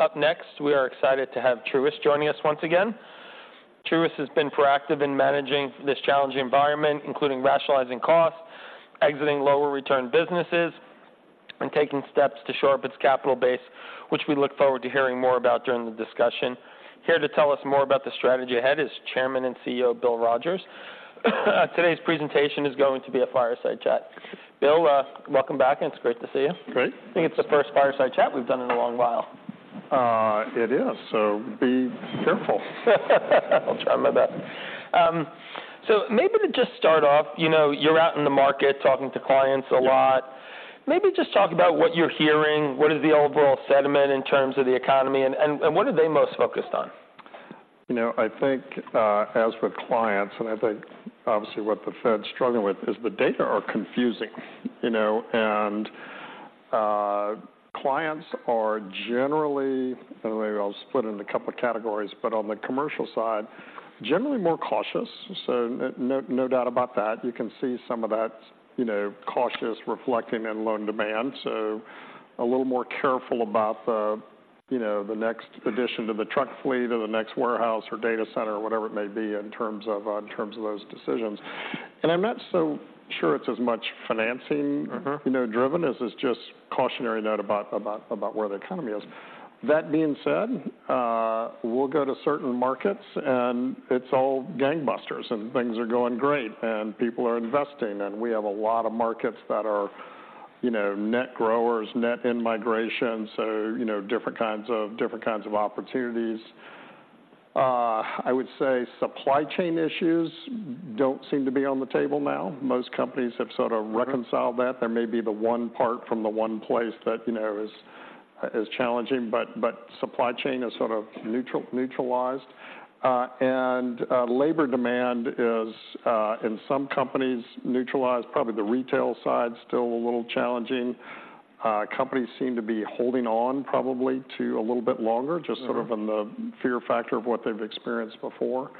Up next, we are excited to have Truist joining us once again. Truist has been proactive in managing this challenging environment, including rationalizing costs, exiting lower return businesses, and taking steps to shore up its capital base, which we look forward to hearing more about during the discussion. Here to tell us more about the strategy ahead is Chairman and CEO, Bill Rogers. Today's presentation is going to be a fireside chat. Bill, welcome back, and it's great to see you. Great. I think it's the first fireside chat we've done in a long while. It is, so be careful. I'll try my best. So maybe to just start off, you know, you're out in the market talking to clients a lot. Yeah. Maybe just talk about what you're hearing, what is the overall sentiment in terms of the economy, and what are they most focused on? You know, I think, as with clients, and I think obviously what the Fed's struggling with, is the data are confusing, you know? And, clients are generally—maybe I'll split it into a couple of categories, but on the commercial side, generally more cautious. So no, no, no doubt about that. You can see some of that, you know, cautious reflecting in loan demand. So a little more careful about the, you know, the next addition to the truck fleet or the next warehouse or data center or whatever it may be in terms of, in terms of those decisions. And I'm not so sure it's as much financing- Mm-hmm... you know, driven as it's just cautionary note about where the economy is. That being said, we'll go to certain markets, and it's all gangbusters, and things are going great, and people are investing. And we have a lot of markets that are, you know, net growers, net in-migration, so you know, different kinds of opportunities. I would say supply chain issues don't seem to be on the table now. Most companies have sort of reconciled- Mm-hmm... that. There may be the one part from the one place that, you know, is challenging, but supply chain is sort of neutralized. And labor demand is, in some companies, neutralized. Probably the retail side, still a little challenging. Companies seem to be holding on probably to a little bit longer- Mm-hmm... just sort of in the fear factor of what they've experienced before.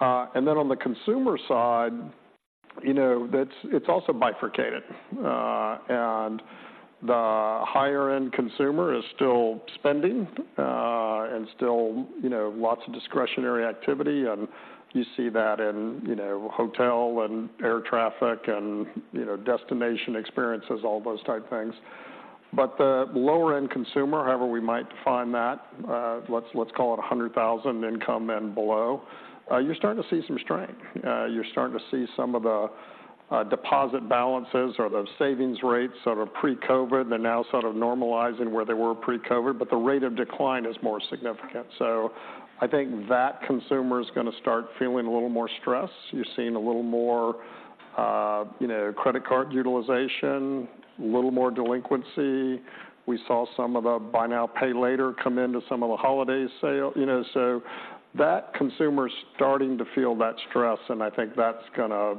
And then on the consumer side, you know, that's, it's also bifurcated. And the higher-end consumer is still spending, and still, you know, lots of discretionary activity. And you see that in, you know, hotel and air traffic and, you know, destination experiences, all those type of things. But the lower-end consumer, however we might define that, let's call it 100,000 income and below, you're starting to see some strength. You're starting to see some of the deposit balances or those savings rates that are pre-COVID. They're now sort of normalizing where they were pre-COVID, but the rate of decline is more significant. So I think that consumer is gonna start feeling a little more stress. You're seeing a little more, you know, credit card utilization, a little more delinquency. We saw some of the buy now, pay later come into some of the holiday sale, you know, so that consumer's starting to feel that stress, and I think that's gonna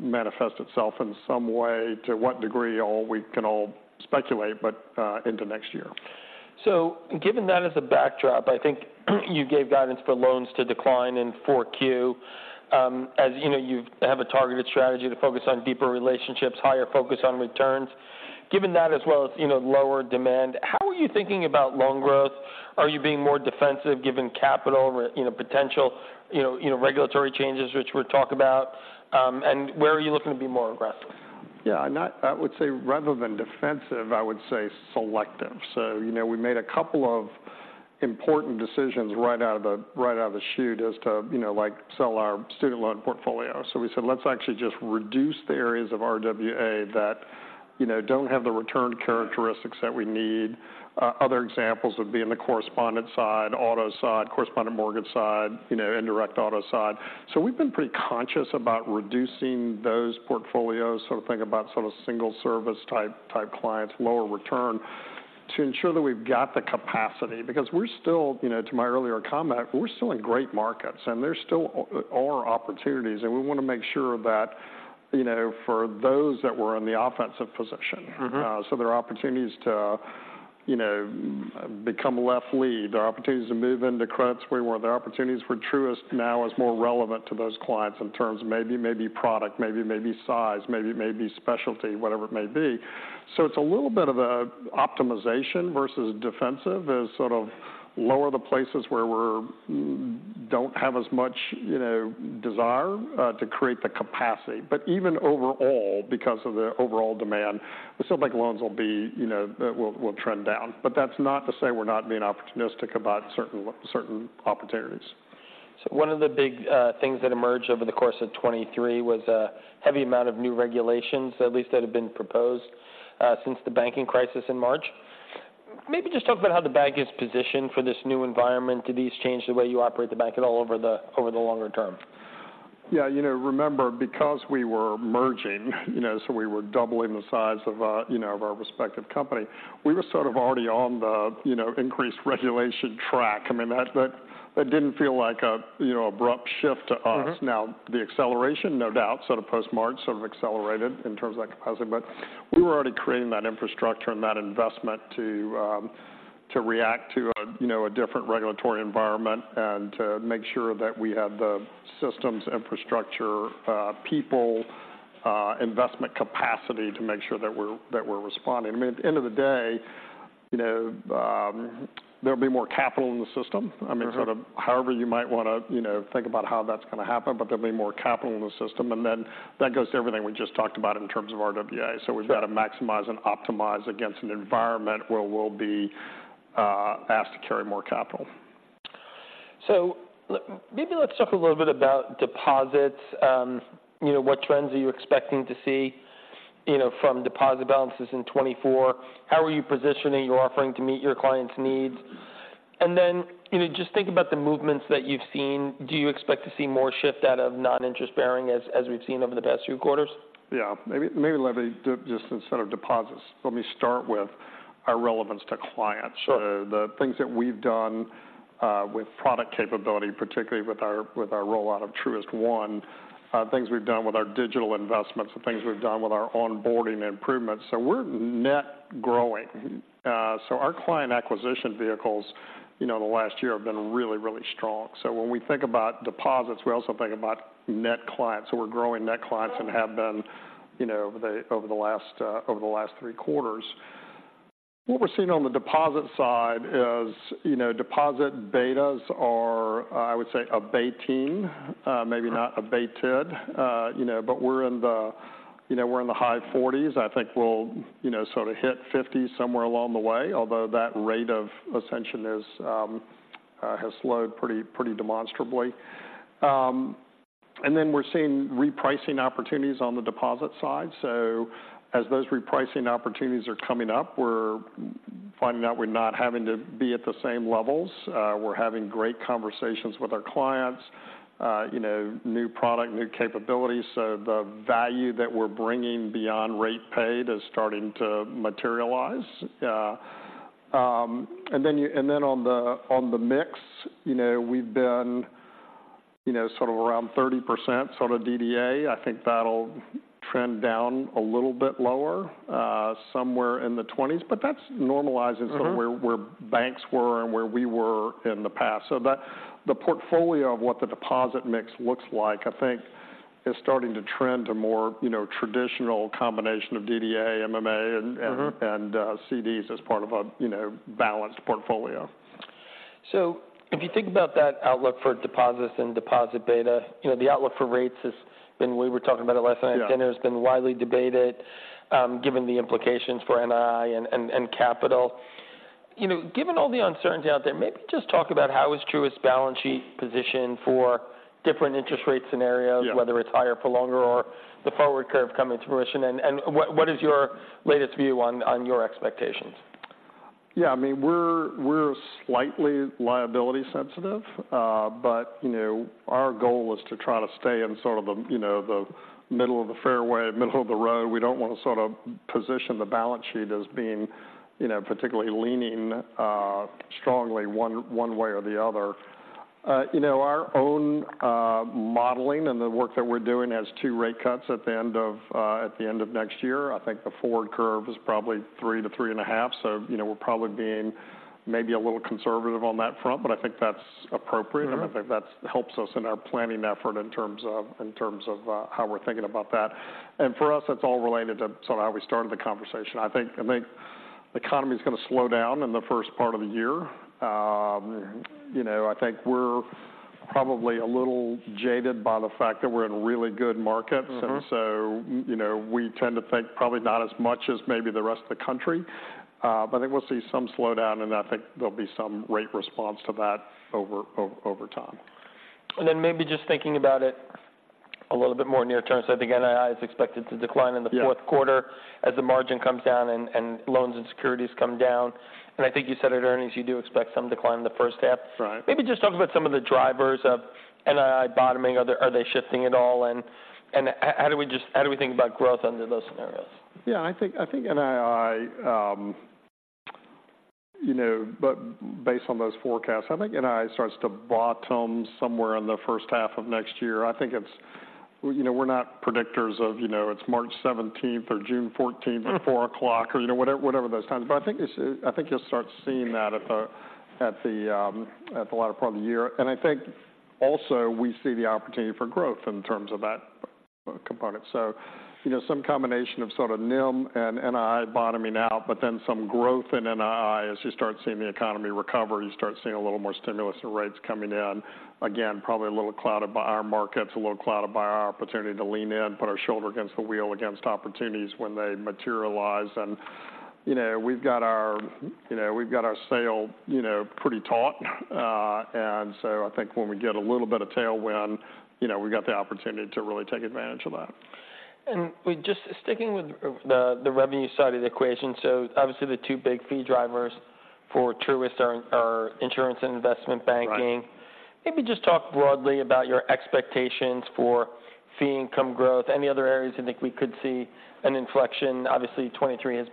manifest itself in some way. To what degree, we can all speculate, but, into next year. So given that as a backdrop, I think you gave guidance for loans to decline in Q4. As you know, you have a targeted strategy to focus on deeper relationships, higher focus on returns. Given that as well as, you know, lower demand, how are you thinking about loan growth? Are you being more defensive given capital re, you know, potential, you know, you know, regulatory changes, which we'll talk about? And where are you looking to be more aggressive? Yeah, not-- I would say rather than defensive, I would say selective. So, you know, we made a couple of important decisions right out of the, right out of the chute as to, you know, like, sell our student loan portfolio. So we said, "Let's actually just reduce the areas of RWA that, you know, don't have the return characteristics that we need." Other examples would be in the correspondent side, auto side, correspondent mortgage side, you know, indirect auto side. So we've been pretty conscious about reducing those portfolios, sort of think about sort of single service type, type clients, lower return, to ensure that we've got the capacity. Because we're still, you know, to my earlier comment, we're still in great markets and there still are opportunities, and we want to make sure that, you know, for those that were in the offensive position- Mm-hmm... so there are opportunities to, you know, become a left lead. There are opportunities to move into credits where we want. There are opportunities where Truist now is more relevant to those clients in terms of maybe, maybe product, maybe, maybe size, maybe, maybe specialty, whatever it may be. So it's a little bit of a optimization versus defensive. It's sort of lower the places where we're, don't have as much, you know, desire, to create the capacity. But even overall, because of the overall demand, we still think loans will be, you know, will trend down. But that's not to say we're not being opportunistic about certain certain opportunities. So one of the big things that emerged over the course of 2023 was a heavy amount of new regulations, at least that have been proposed, since the banking crisis in March. Maybe just talk about how the bank is positioned for this new environment. Do these change the way you operate the bank at all over the longer term? Yeah, you know, remember, because we were merging, you know, so we were doubling the size of, you know, of our respective company, we were sort of already on the, you know, increased regulation track. I mean, that didn't feel like a, you know, abrupt shift to us. Mm-hmm. Now, the acceleration, no doubt, sort of post-march, sort of accelerated in terms of that capacity, but we were already creating that infrastructure and that investment to, to react to a, you know, a different regulatory environment and to make sure that we had the systems, infrastructure, investment capacity to make sure that we're, that we're responding. I mean, at the end of the day, you know, there'll be more capital in the system. Mm-hmm. I mean, sort of however you might want to, you know, think about how that's going to happen, but there'll be more capital in the system, and then that goes to everything we just talked about in terms of RWA. Sure. So we've got to maximize and optimize against an environment where we'll be asked to carry more capital. So maybe let's talk a little bit about deposits. You know, what trends are you expecting to see, you know, from deposit balances in 2024? How are you positioning your offering to meet your clients' needs? And then, you know, just think about the movements that you've seen. Do you expect to see more shift out of non-interest bearing, as we've seen over the past few quarters? Yeah. Maybe, maybe let me just instead of deposits, let me start with our relevance to clients. Sure. So the things that we've done, with product capability, particularly with our, with our rollout of Truist One, things we've done with our digital investments, the things we've done with our onboarding improvements. So we're net growing. So our client acquisition vehicles, you know, the last year have been really, really strong. So when we think about deposits, we also think about net clients. So we're growing net clients and have been, you know, over the, over the last, over the last three quarters. What we're seeing on the deposit side is, you know, deposit betas are, I would say, abating, maybe not abated. You know, but we're in the, you know, we're in the high forties. I think we'll, you know, sort of hit fifty somewhere along the way, although that rate of ascension is, has slowed pretty, pretty demonstrably. And then we're seeing repricing opportunities on the deposit side. So as those repricing opportunities are coming up, we're finding out we're not having to be at the same levels. We're having great conversations with our clients, you know, new product, new capabilities. So the value that we're bringing beyond rate paid is starting to materialize. And then on the mix, you know, we've been, you know, sort of around 30% sort of DDA. I think that'll trend down a little bit lower, somewhere in the 20s, but that's normalizing- Mm-hmm... sort of where banks were and where we were in the past. So the portfolio of what the deposit mix looks like, I think is starting to trend to more, you know, traditional combination of DDA, MMA, and- Mm-hmm... and, CDs as part of a, you know, balanced portfolio. So if you think about that outlook for deposits and deposit beta, you know, the outlook for rates has been, we were talking about it last night at dinner- Yeah... has been widely debated, given the implications for NII and capital. You know, given all the uncertainty out there, maybe just talk about how is Truist balance sheet positioned for different interest rate scenarios? Yeah... whether it's higher for longer or the forward curve coming to fruition, and what is your latest view on your expectations? Yeah, I mean, we're slightly liability sensitive. But, you know, our goal is to try to stay in sort of the, you know, the middle of the fairway, middle of the road. We don't want to sort of position the balance sheet as being, you know, particularly leaning strongly one way or the other. You know, our own modeling and the work that we're doing has two rate cuts at the end of at the end of next year. I think the forward curve is probably three to three and a half. So, you know, we're probably being maybe a little conservative on that front, but I think that's appropriate. Mm-hmm. And I think that helps us in our planning effort in terms of how we're thinking about that. And for us, it's all related to sort of how we started the conversation. I think the economy is going to slow down in the first part of the year. You know, I think we're probably a little jaded by the fact that we're in really good markets. Mm-hmm. And so, you know, we tend to think probably not as much as maybe the rest of the country, but I think we'll see some slowdown, and I think there'll be some rate response to that over time. Maybe just thinking about it a little bit more near term. I think NII is expected to decline in the fourth quarter- Yeah... as the margin comes down and loans and securities come down. I think you said at earnings, you do expect some decline in the first half. Right. Maybe just talk about some of the drivers of NII bottoming. Are they shifting at all? And how do we think about growth under those scenarios? Yeah, I think NII, you know, but based on those forecasts, I think NII starts to bottom somewhere in the first half of next year. I think it's... You know, we're not predictors of, you know, it's March 17th or June 14th at four o'clock, or, you know, whatever those times. But I think it's, you'll start seeing that at the latter part of the year. And I think also, we see the opportunity for growth in terms of that component. So you know, some combination of sort of NIM and NII bottoming out, but then some growth in NII. As you start seeing the economy recover, you start seeing a little more stimulus and rates coming in. Again, probably a little clouded by our markets, a little clouded by our opportunity to lean in, put our shoulder against the wheel, against opportunities when they materialize. And you know, we've got our, you know, we've got our sail, you know, pretty taut. And so I think when we get a little bit of tailwind, you know, we've got the opportunity to really take advantage of that. Just sticking with the revenue side of the equation. Obviously, the two big fee drivers for Truist are insurance and investment banking. Right. Maybe just talk broadly about your expectations for fee income growth. Any other areas you think we could see an inflection? Obviously, 2023 has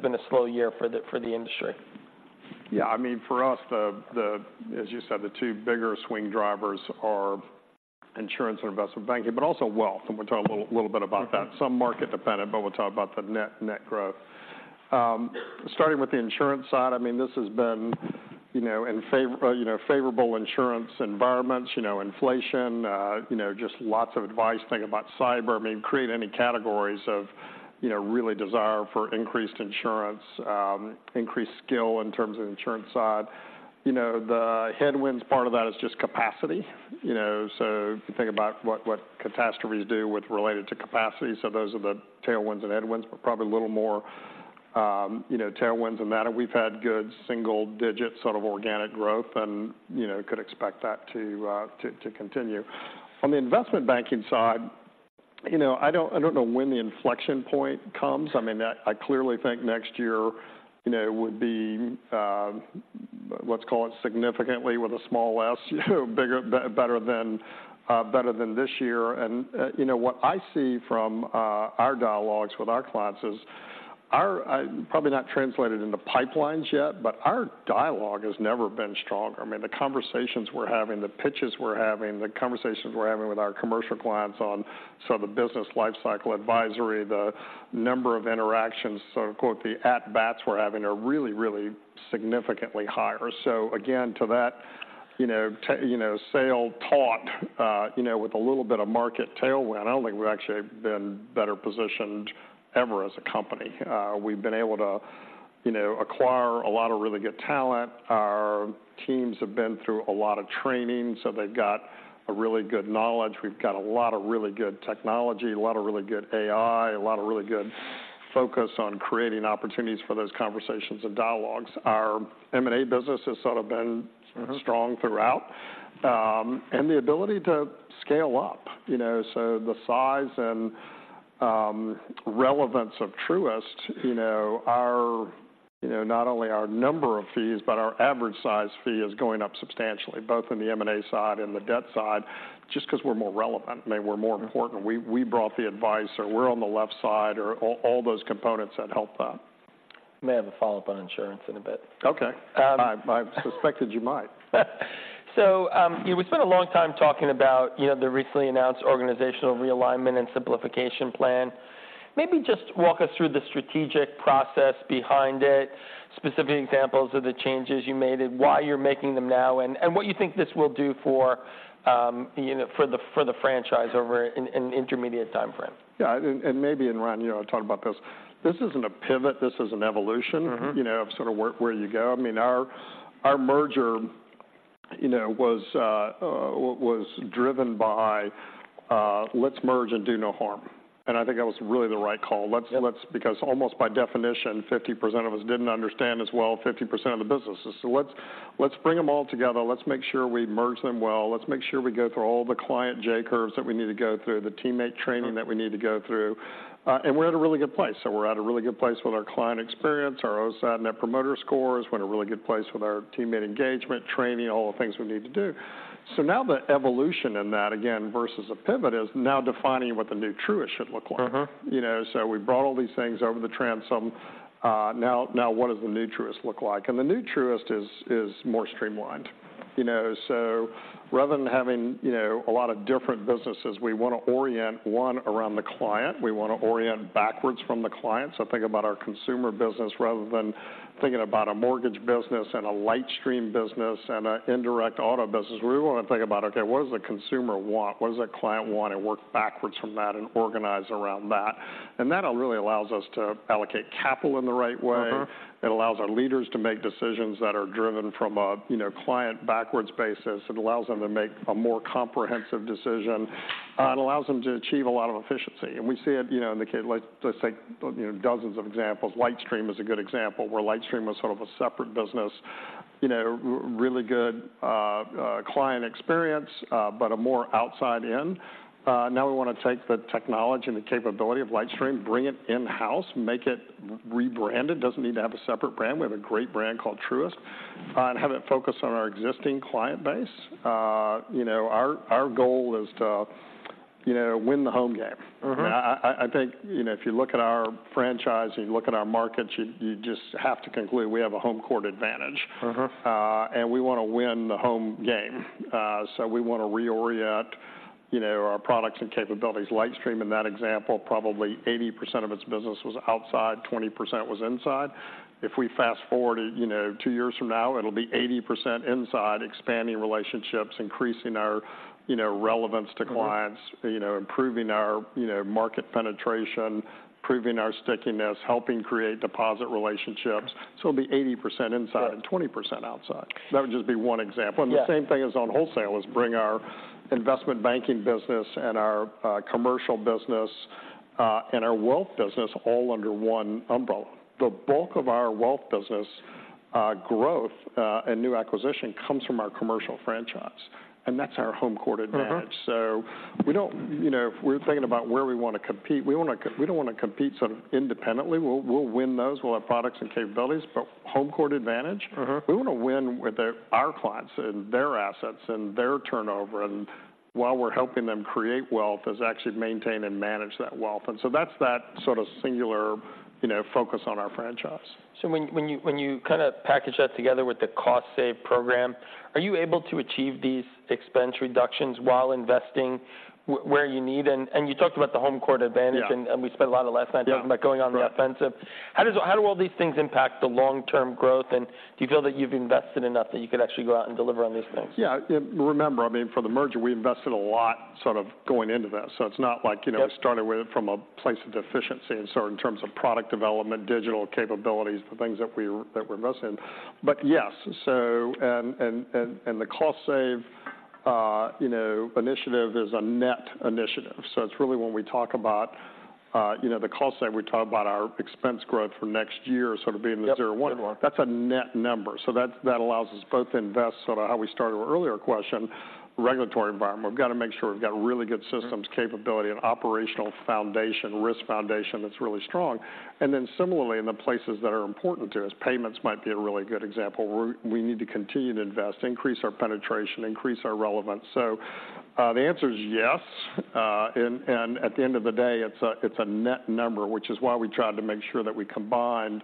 been a slow year for the industry. Yeah. I mean, for us, as you said, the two bigger swing drivers are insurance and investment banking, but also wealth, and we'll talk a little bit about that. Okay. Some market-dependent, but we'll talk about the net, net growth... Starting with the insurance side, I mean, this has been, you know, in favor, you know, favorable insurance environments, you know, inflation, just lots of advice, thinking about cyber. I mean, create any categories of, you know, really desire for increased insurance, increased skill in terms of insurance side. You know, the headwinds part of that is just capacity, you know, so if you think about what catastrophes do with related to capacity, so those are the tailwinds and headwinds, but probably a little more, you know, tailwinds than that. And we've had good single digits, sort of organic growth and, you know, could expect that to continue. On the investment banking side, you know, I don't know when the inflection point comes. I mean, I clearly think next year, you know, would be, let's call it significantly with a small s, you know, better than this year. And, you know, what I see from our dialogues with our clients is our probably not translated into pipelines yet, but our dialogue has never been stronger. I mean, the conversations we're having, the pitches we're having, the conversations we're having with our commercial clients on some of the Business Lifecycle Advisory, the number of interactions, so to quote, the at bats we're having, are really, really significantly higher. So again, to that, you know, with a little bit of market tailwind, I don't think we've actually been better positioned ever as a company. We've been able to, you know, acquire a lot of really good talent. Our teams have been through a lot of training, so they've got a really good knowledge. We've got a lot of really good technology, a lot of really good AI, a lot of really good focus on creating opportunities for those conversations and dialogues. Our M&A business has sort of been- Mm-hmm... strong throughout, and the ability to scale up, you know, so the size and relevance of Truist, you know, our, you know, not only our number of fees, but our average size fee is going up substantially, both in the M&A side and the debt side, just because we're more relevant. I mean, we're more important. We brought the advice or we're on the left side or all those components that help that. May have a follow-up on insurance in a bit. Okay. Um- I suspected you might. So, you would spend a long time talking about, you know, the recently announced organizational realignment and simplification plan. Maybe just walk us through the strategic process behind it, specific examples of the changes you made and why you're making them now, and what you think this will do for, you know, for the franchise over an intermediate time frame. Yeah, maybe Ryan, you know, talked about this. This isn't a pivot, this is an evolution- Mm-hmm... you know, of sort of where you go. I mean, our merger, you know, was driven by, let's merge and do no harm, and I think that was really the right call. Yeah. Let's because almost by definition, 50% of us didn't understand as well, 50% of the businesses. So let's bring them all together. Let's make sure we merge them well. Let's make sure we go through all the client J curves that we need to go through, the teammate training that we need to go through, and we're at a really good place. So we're at a really good place with our client experience, our OSAT net promoter scores. We're in a really good place with our teammate engagement, training, all the things we need to do. So now the evolution in that, again, versus a pivot, is now defining what the new Truist should look like. Mm-hmm. You know, so we brought all these things over the transom, now, now what does the new Truist look like? And the new Truist is, is more streamlined, you know, so rather than having, you know, a lot of different businesses, we want to orient one around the client. We want to orient backwards from the client. So think about our consumer business, rather than thinking about a mortgage business and a LightStream business and an indirect auto business. We want to think about, okay, what does the consumer want? What does a client want? And work backwards from that and organize around that. And that really allows us to allocate capital in the right way. Mm-hmm. It allows our leaders to make decisions that are driven from a, you know, client backwards basis. It allows them to make a more comprehensive decision, it allows them to achieve a lot of efficiency. And we see it, you know, in the, let's, let's take, you know, dozens of examples. LightStream is a good example, where LightStream was sort of a separate business, you know, really good, client experience, but a more outside in. Now we want to take the technology and the capability of LightStream, bring it in-house, make it, rebrand it. It doesn't need to have a separate brand. We have a great brand called Truist, and have it focused on our existing client base. You know, our, our goal is to, you know, win the home game. Mm-hmm. I think, you know, if you look at our franchise and you look at our markets, you just have to conclude we have a home court advantage. Mm-hmm. And we want to win the home game. So we want to reorient, you know, our products and capabilities. LightStream, in that example, probably 80% of its business was outside, 20% was inside. If we fast-forward, you know, two years from now, it'll be 80% inside, expanding relationships, increasing our, you know, relevance to clients- Mm-hmm... you know, improving our, you know, market penetration, improving our stickiness, helping create deposit relationships. Okay. So it'll be 80% inside- Yeah... and 20% outside. That would just be one example. Yeah. The same thing as on wholesale is bring our investment banking business and our commercial business and our wealth business all under one umbrella. The bulk of our wealth business growth and new acquisition comes from our commercial franchise, and that's our home court advantage. Mm-hmm. So we don't, you know, if we're thinking about where we want to compete, we want to, we don't want to compete sort of independently. We'll, we'll win those. We'll have products and capabilities, but home court advantage- Mm-hmm... we want to win with our clients and their assets and their turnover, and while we're helping them create wealth, is actually maintain and manage that wealth. And so that's that sort of singular, you know, focus on our franchise.... So when you kind of package that together with the cost save program, are you able to achieve these expense reductions while investing where you need? And you talked about the home court advantage- Yeah. and we spent a lot of last night- Yeah talking about going on the offensive. Right. How do all these things impact the long-term growth? Do you feel that you've invested enough that you could actually go out and deliver on these things? Yeah, remember, I mean, for the merger, we invested a lot sort of going into this. So it's not like, you know- Yep... we started with it from a place of deficiency. And so in terms of product development, digital capabilities, the things that we were, that we're missing. But yes, so the cost save, you know, initiative is a net initiative. So it's really when we talk about, you know, the cost save, we talk about our expense growth for next year sort of being the zero one. Yep. That's a net number. So that, that allows us both to invest, sort of how we started our earlier question, regulatory environment. We've got to make sure we've got really good systems- Mm-hmm... capability and operational foundation, risk foundation that's really strong. And then similarly, in the places that are important to us, payments might be a really good example, where we need to continue to invest, increase our penetration, increase our relevance. So, the answer is yes. And, and at the end of the day, it's a, it's a net number, which is why we tried to make sure that we combined,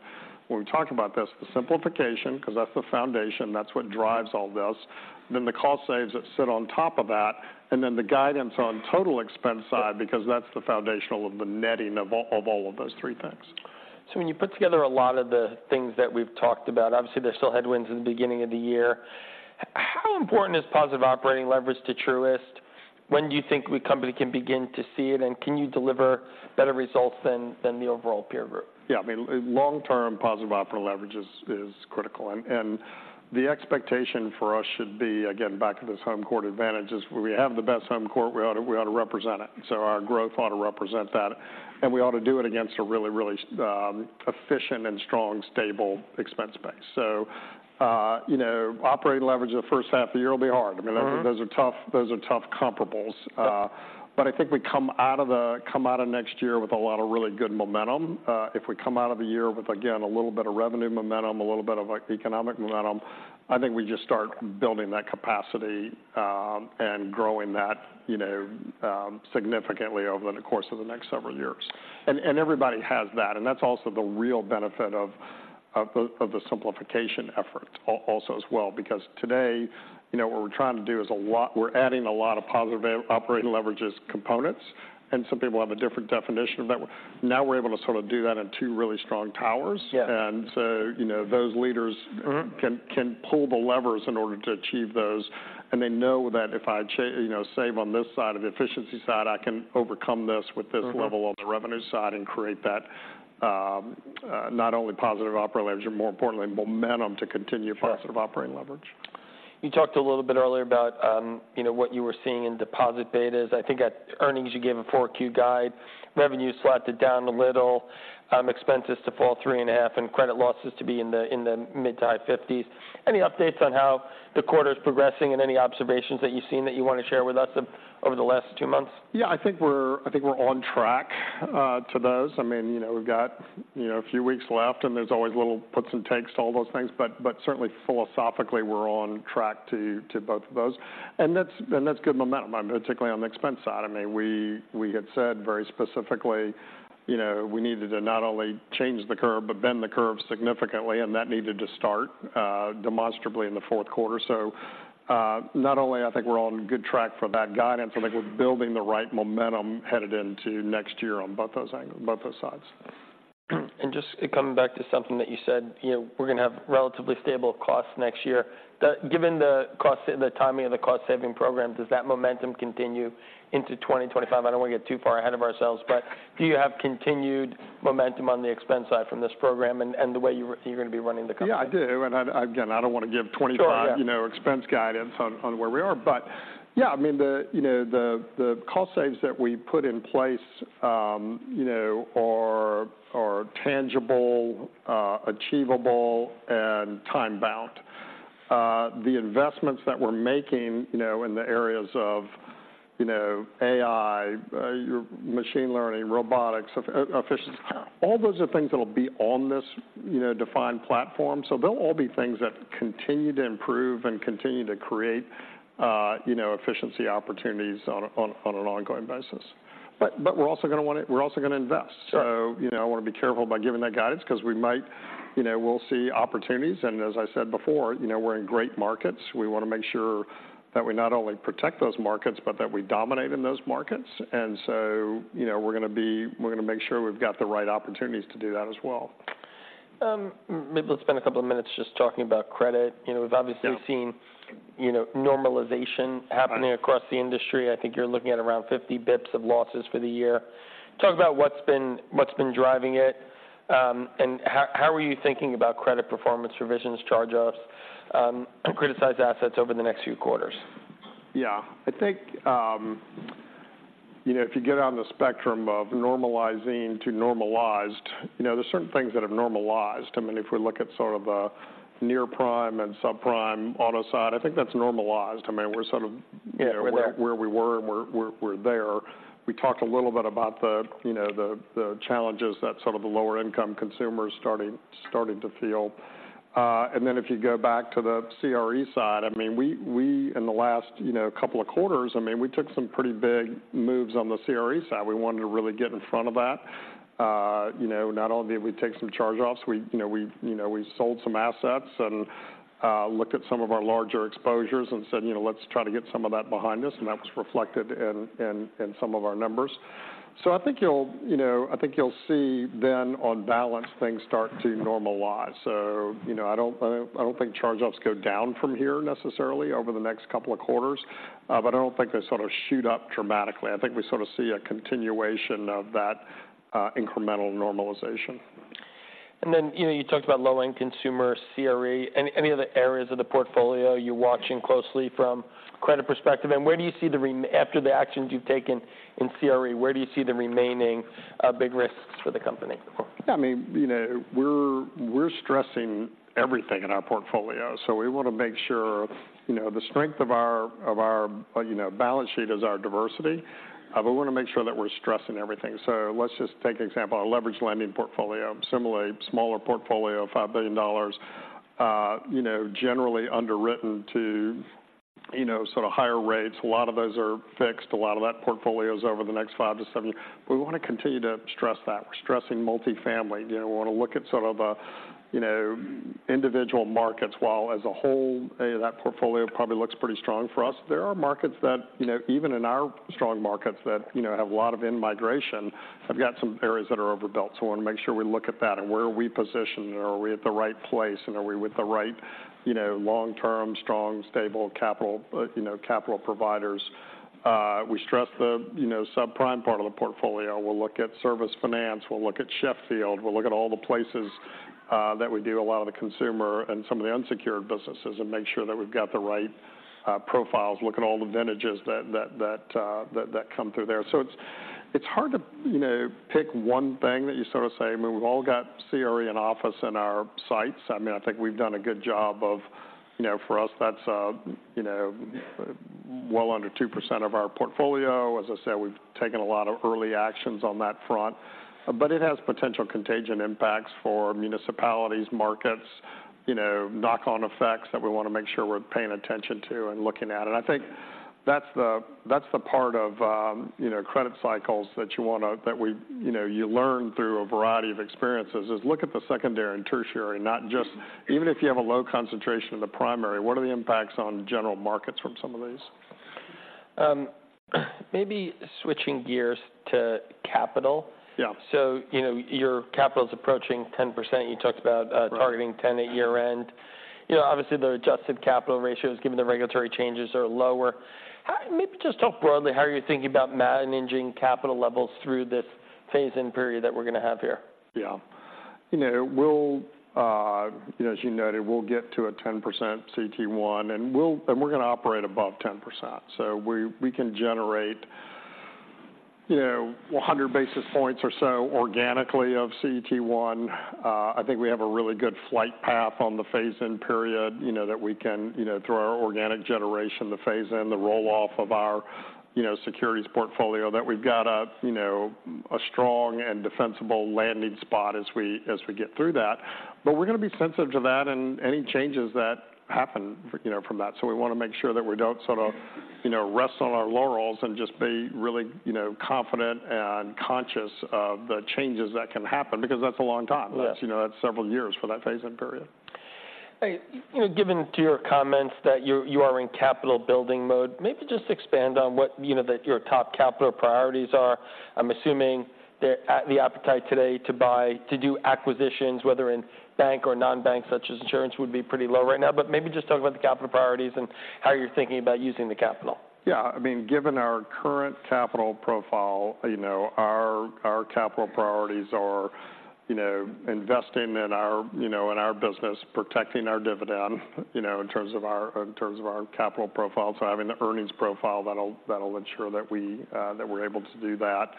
when we talked about this, the simplification, because that's the foundation, that's what drives all this. Then the cost saves that sit on top of that, and then the guidance on total expense side, because that's the foundational of the netting of all, of all of those three things. When you put together a lot of the things that we've talked about, obviously, there's still headwinds in the beginning of the year. How important is positive operating leverage to Truist? When do you think the company can begin to see it? And can you deliver better results than the overall peer group? Yeah, I mean, long-term positive operating leverage is critical, and the expectation for us should be, again, back to this home court advantage: we have the best home court, we ought to represent it. So our growth ought to represent that, and we ought to do it against a really, really efficient and strong, stable expense base. So, you know, operating leverage in the first half of the year will be hard. Mm-hmm. I mean, those are tough, those are tough comparables. But I think we come out of next year with a lot of really good momentum. If we come out of the year with, again, a little bit of revenue momentum, a little bit of, like, economic momentum, I think we just start building that capacity, and growing that, you know, significantly over the course of the next several years. And everybody has that, and that's also the real benefit of the simplification effort also as well. Because today, you know, what we're trying to do is a lot, we're adding a lot of positive operating leverages components, and some people have a different definition of that. Now we're able to sort of do that in two really strong towers. Yeah. And so, you know, those leaders- Mm-hmm... can pull the levers in order to achieve those. And they know that if I—you know, save on this side, of the efficiency side, I can overcome this with this level- Mm-hmm... on the revenue side and create that, not only positive operating leverage, but more importantly, momentum to continue- Right... positive operating leverage. You talked a little bit earlier about, you know, what you were seeing in deposit betas. I think at earnings, you gave a 4Q guide, revenue slotted down a little, expenses to fall 3.5, and credit losses to be in the mid- to high 50s. Any updates on how the quarter is progressing and any observations that you've seen that you want to share with us over the last two months? Yeah, I think we're on track to those. I mean, you know, we've got, you know, a few weeks left, and there's always little puts and takes to all those things, but certainly philosophically, we're on track to both of those. And that's good momentum, particularly on the expense side. I mean, we had said very specifically, you know, we needed to not only change the curve, but bend the curve significantly, and that needed to start demonstrably in the fourth quarter. So, not only I think we're on good track for that guidance, I think we're building the right momentum headed into next year on both those angles, both those sides. Just coming back to something that you said, you know, we're going to have relatively stable costs next year. Given the cost, the timing of the cost-saving program, does that momentum continue into 2025? I don't want to get too far ahead of ourselves, but do you have continued momentum on the expense side from this program and, and the way you, you're going to be running the company? Yeah, I do. And I, again, I don't want to give 25- Sure, yeah... you know, expense guidance on where we are. But yeah, I mean, you know, the cost saves that we put in place are tangible, achievable, and time-bound. The investments that we're making, you know, in the areas of, you know, AI, your machine learning, robotics, all those are things that'll be on this, you know, defined platform. So they'll all be things that continue to improve and continue to create, you know, efficiency opportunities on an ongoing basis. But we're also gonna want to - we're also gonna invest. Sure. So, you know, I want to be careful about giving that guidance because we might, you know, we'll see opportunities. And as I said before, you know, we're in great markets. We want to make sure that we not only protect those markets, but that we dominate in those markets. And so, you know, we're gonna make sure we've got the right opportunities to do that as well. Maybe let's spend a couple of minutes just talking about credit. You know, we've obviously- Yeah... seen, you know, normalization happening- Right... across the industry. I think you're looking at around 50 bips of losses for the year. Talk about what's been driving it, and how are you thinking about credit performance, revisions, charge-offs, and criticized assets over the next few quarters? Yeah. I think, you know, if you get on the spectrum of normalizing to normalized, you know, there are certain things that have normalized. I mean, if we look at sort of, near prime and subprime auto side, I think that's normalized. I mean, we're sort of- Yeah. where we were, and we're there. We talked a little bit about the, you know, the challenges that sort of the lower-income consumers starting to feel. And then if you go back to the CRE side, I mean, in the last, you know, couple of quarters, I mean, we took some pretty big moves on the CRE side. We wanted to really get in front of that. You know, not only did we take some charge-offs, we, you know, sold some assets and looked at some of our larger exposures and said, you know, let's try to get some of that behind us, and that was reflected in some of our numbers. So I think you'll, you know, see then on balance, things start to normalize. You know, I don't think charge-offs go down from here necessarily over the next couple of quarters, but I don't think they sort of shoot up dramatically. I think we sort of see a continuation of that, incremental normalization. And then, you know, you talked about low-end consumer CRE. Any other areas of the portfolio you're watching closely from a credit perspective? And where do you see, after the actions you've taken in CRE, the remaining big risks for the company? I mean, you know, we're stressing everything in our portfolio, so we want to make sure, you know, the strength of our balance sheet is our diversity, but we want to make sure that we're stressing everything. So let's just take an example, our leverage lending portfolio. Similarly, smaller portfolio, $5 billion, you know, generally underwritten to, you know, sort of higher rates. A lot of those are fixed. A lot of that portfolio is over the next five-seven years. We want to continue to stress that. We're stressing multifamily. You know, we want to look at sort of, you know, individual markets, while as a whole, that portfolio probably looks pretty strong for us. There are markets that, you know, even in our strong markets, that, you know, have a lot of in-migration, have got some areas that are overbuilt. So we want to make sure we look at that and where are we positioned, and are we at the right place, and are we with the right, you know, long-term, strong, stable capital, you know, capital providers? We stress the, you know, subprime part of the portfolio. We'll look at Service Finance. We'll look at Sheffield. We'll look at all the places that we do a lot of the consumer and some of the unsecured businesses and make sure that we've got the right profiles. Look at all the vintages that come through there. So it's hard to, you know, pick one thing that you sort of say... I mean, we've all got CRE in office in our sights. I mean, I think we've done a good job of, you know, for us, that's, you know, well under 2% of our portfolio. As I said, we've taken a lot of early actions on that front, but it has potential contagion impacts for municipalities, markets, you know, knock-on effects that we want to make sure we're paying attention to and looking at. And I think that's the, that's the part of, you know, credit cycles that we, you know, you learn through a variety of experiences, is look at the secondary and tertiary, not just even if you have a low concentration in the primary, what are the impacts on the general markets from some of these? Maybe switching gears to capital. Yeah. So, you know, your capital is approaching 10%. You talked about- Right... targeting 10 at year-end. You know, obviously, the adjusted capital ratios, given the regulatory changes, are lower. Maybe just talk broadly, how are you thinking about managing capital levels through this phase-in period that we're going to have here? Yeah. You know, we'll, you know, as you noted, we'll get to a 10% CET1, and we'll- and we're going to operate above 10%. So we, we can generate, you know, 100 basis points or so organically of CET1. I think we have a really good flight path on the phase-in period, you know, that we can, you know, through our organic generation, the phase in, the roll-off of our, you know, securities portfolio, that we've got a, you know, a strong and defensible landing spot as we, as we get through that. But we're going to be sensitive to that and any changes that happen, you know, from that. We want to make sure that we don't sort of, you know, rest on our laurels and just be really, you know, confident and conscious of the changes that can happen, because that's a long time. Yeah. That's, you know, that's several years for that phase-in period. Hey, you know, given your comments that you are in capital building mode, maybe just expand on what, you know, your top capital priorities are. I'm assuming the appetite today to buy, to do acquisitions, whether in bank or non-bank, such as insurance, would be pretty low right now. But maybe just talk about the capital priorities and how you're thinking about using the capital. Yeah, I mean, given our current capital profile, you know, our capital priorities are, you know, investing in our, you know, in our business, protecting our dividend, you know, in terms of our capital profile, so having the earnings profile, that'll ensure that we're able to do that.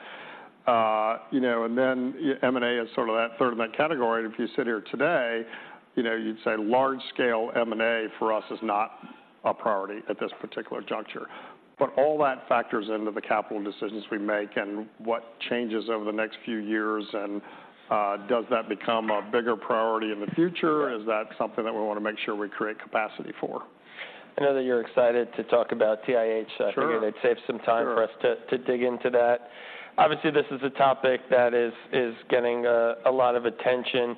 You know, and then M&A is sort of that third of that category. If you sit here today, you know, you'd say large-scale M&A for us is not a priority at this particular juncture. But all that factors into the capital decisions we make and what changes over the next few years, and does that become a bigger priority in the future? Yeah. Is that something that we want to make sure we create capacity for? I know that you're excited to talk about TIH. Sure. I figured I'd save some time. Sure... for us to dig into that. Obviously, this is a topic that is getting a lot of attention.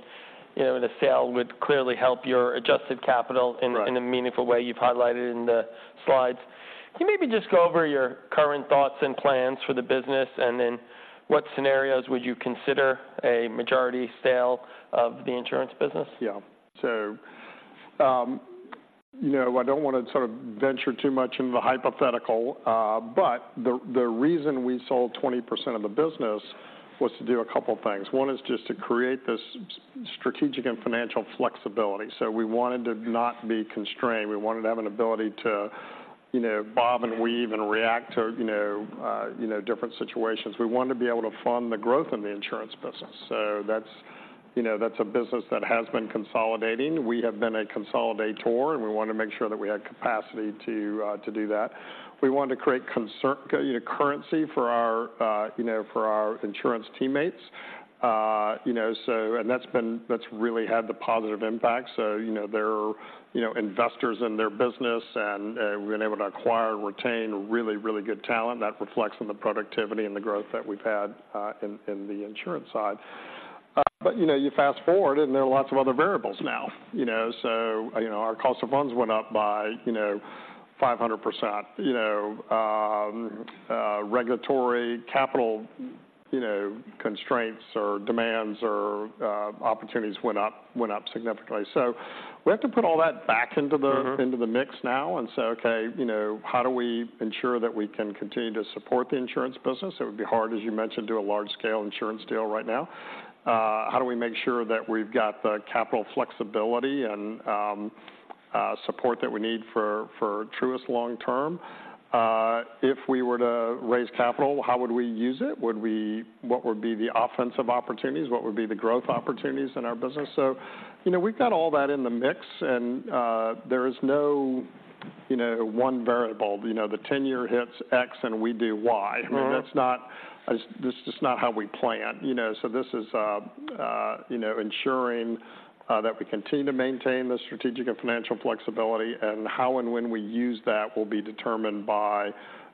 You know, the sale would clearly help your adjusted capital- Right... in a meaningful way. You've highlighted in the slides. Can you maybe just go over your current thoughts and plans for the business, and then what scenarios would you consider a majority sale of the insurance business? Yeah. So, you know, I don't want to sort of venture too much into the hypothetical, but the reason we sold 20% of the business was to do a couple of things. One is just to create this strategic and financial flexibility. So we wanted to not be constrained. We wanted to have an ability to, you know, bob and weave and react to, you know, different situations. We wanted to be able to fund the growth in the insurance business. So that's, you know, that's a business that has been consolidating. We have been a consolidator, and we wanted to make sure that we had capacity to do that. We wanted to create currency for our, you know, for our insurance teammates. You know, so and that's been—that's really had the positive impact. So, you know, there are, you know, investors in their business, and we've been able to acquire and retain really, really good talent that reflects on the productivity and the growth that we've had in the insurance side. But, you know, you fast-forward, and there are lots of other variables now, you know? So, you know, our cost of funds went up by, you know, 500%, you know. Regulatory capital, you know, constraints or demands or opportunities went up, went up significantly. So we have to put all that back into the- Mm-hmm. into the mix now and say, "Okay, you know, how do we ensure that we can continue to support the insurance business?" It would be hard, as you mentioned, to do a large-scale insurance deal right now. How do we make sure that we've got the capital flexibility and support that we need for Truist long term? If we were to raise capital, how would we use it? Would we—what would be the offensive opportunities? What would be the growth opportunities in our business? So, you know, we've got all that in the mix, and there is no, you know, one variable. You know, the 10-year hits X, and we do Y. Mm-hmm. I mean, that's not as... That's just not how we plan. You know, so this is, you know, ensuring that we continue to maintain the strategic and financial flexibility, and how and when we use that will be determined by,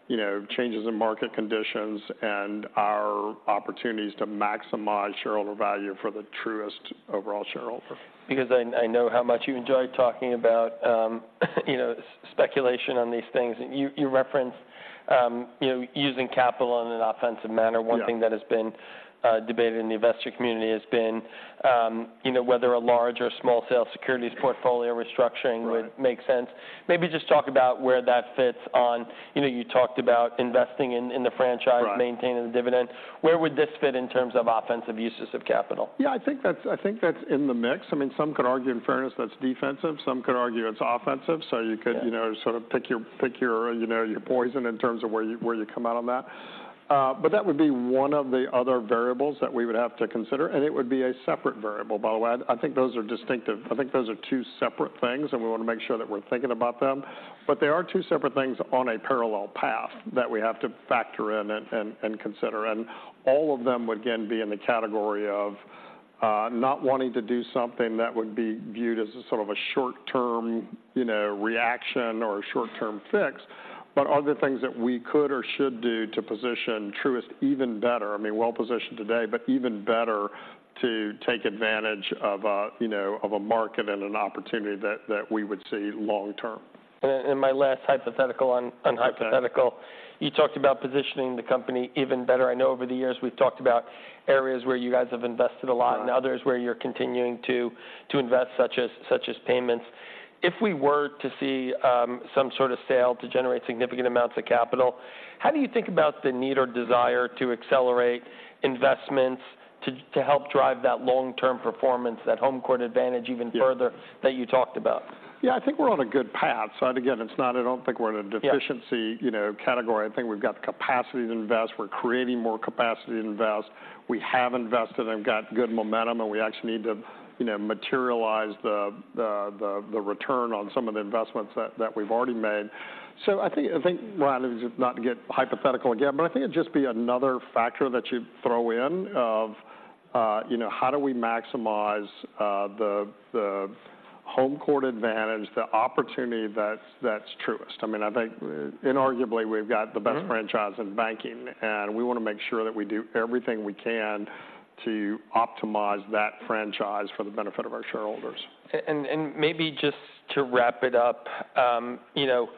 you know, changes in market conditions and our opportunities to maximize shareholder value for the Truist overall shareholder. Because I know how much you enjoy talking about, you know, speculation on these things. You referenced, you know, using capital in an offensive manner. Yeah. One thing that has been debated in the investor community has been, you know, whether a large or small sale securities portfolio restructuring- Right would make sense. Maybe just talk about where that fits on... You know, you talked about investing in, in the franchise- Right. maintaining the dividend. Where would this fit in terms of offensive uses of capital? Yeah, I think that's in the mix. I mean, some could argue, in fairness, that's defensive. Some could argue it's offensive. Yeah. So you could, you know, sort of pick your, you know, your poison in terms of where you come out on that. But that would be one of the other variables that we would have to consider, and it would be a separate variable, by the way. I think those are distinctive. I think those are two separate things, and we want to make sure that we're thinking about them. But they are two separate things on a parallel path that we have to factor in and consider, and all of them would, again, be in the category of not wanting to do something that would be viewed as a sort of a short-term, you know, reaction or a short-term fix. But other things that we could or should do to position Truist even better, I mean, well-positioned today, but even better to take advantage of, you know, of a market and an opportunity that we would see long term. my last hypothetical on- Okay On hypothetical, you talked about positioning the company even better. I know over the years we've talked about areas where you guys have invested a lot. Right - and others where you're continuing to invest, such as payments. If we were to see some sort of sale to generate significant amounts of capital, how do you think about the need or desire to accelerate investments to help drive that long-term performance, that home court advantage even further- Yeah - that you talked about? Yeah, I think we're on a good path. So again, it's not, I don't think we're in a deficiency- Yeah you know, category. I think we've got the capacity to invest. We're creating more capacity to invest. We have invested and got good momentum, and we actually need to, you know, materialize the return on some of the investments that we've already made. So I think, well, not to get hypothetical again, but I think it'd just be another factor that you'd throw in of, you know, how do we maximize the home court advantage, the opportunity that's Truist? I mean, I think inarguably, we've got the best- Mm-hmm franchise in banking, and we want to make sure that we do everything we can to optimize that franchise for the benefit of our shareholders. Maybe just to wrap it up, you know,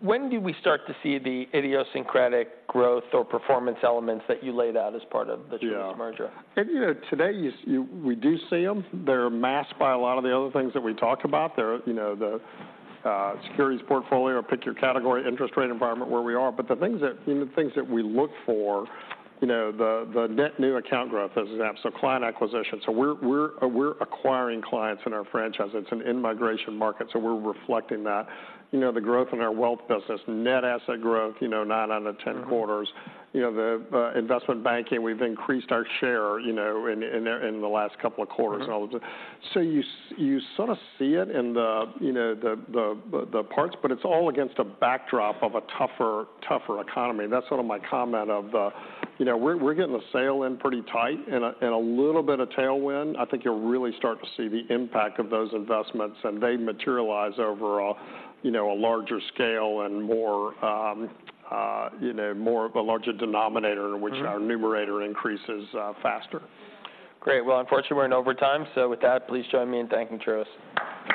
when do we start to see the idiosyncratic growth or performance elements that you laid out as part of the Truist merger? Yeah. And, you know, today, you see, we do see them. They're masked by a lot of the other things that we talked about. They're, you know, the, securities portfolio, pick your category, interest rate environment where we are. But the things that, you know, the things that we look for, you know, the, the net new account growth as an app, so client acquisition. So we're acquiring clients in our franchise. It's an in-migration market, so we're reflecting that. You know, the growth in our wealth business, net asset growth, you know, nine out of ten quarters. Mm-hmm. You know, the investment banking, we've increased our share, you know, in the last couple of quarters- Mm-hmm - and all those things. So you sort of see it in the, you know, the parts, but it's all against a backdrop of a tougher, tougher economy. That's sort of my comment of the ... You know, we're getting the sail in pretty tight and a little bit of tailwind. I think you'll really start to see the impact of those investments, and they materialize over a, you know, a larger scale and more, you know, more of a larger denominator- Mm-hmm - in which our numerator increases, faster. Great. Well, unfortunately, we're in overtime, so with that, please join me in thanking Truist.